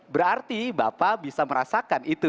berarti bapak bisa merasakan itu